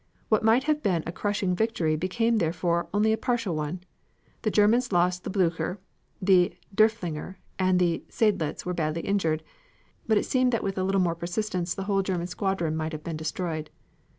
What might have been a crushing victory became therefore only a partial one: the Germans lost the Blucher; the Derfflinger and the Seydlitz were badly injured, but it seems that with a little more persistence the whole German squadron might have been destroyed.